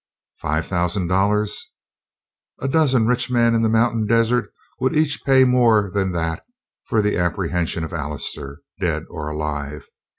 Five thousand dollars? A dozen rich men in the mountain desert would each pay more than that for the apprehension of Allister, dead or alive.